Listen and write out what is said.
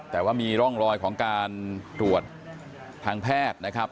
แต่ว่ามีร่องรอยของการตรวจทางแพทย์นะครับ